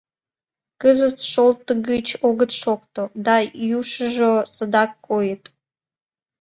Кызыт шолтыгыч огыт шокто, да йӱшыжӧ садак койыт.